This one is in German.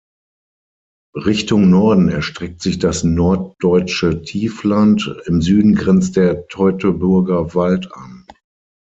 Richtung Norden erstreckt sich das Norddeutsche Tiefland, im Süden grenzt der Teutoburger Wald an.